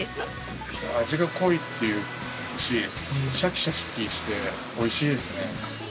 味が濃いっていうしシャキシャキしておいしいですね。